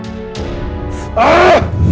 gimana kita akan menikmati rena